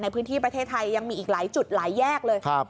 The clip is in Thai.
พื้นที่ประเทศไทยยังมีอีกหลายจุดหลายแยกเลย